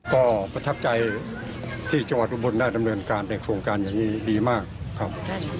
ก็ประทับใจที่จังหวัดอุบลได้ดำเนินการในโครงการอย่างนี้ดีมากครับ